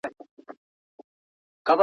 لیدلوری پراخول د هوښیارۍ نښه ده.